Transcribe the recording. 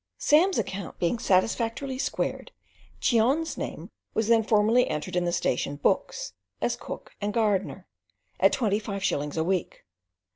Sam's account being satisfactorily "squared," Cheon's name was then formally entered in the station books as cook and gardener, at twenty five shillings a week.